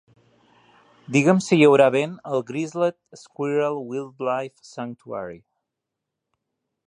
Digue'm si hi haurà vent al Grizzled Squirrel Wildlife Sanctuary...